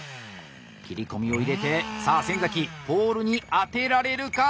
切り込みを入れてさあ先ポールに当てられるか？